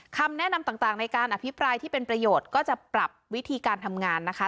คำแนะนำต่างในการอภิปรายที่เป็นประโยชน์ก็จะปรับวิธีการทำงานนะคะ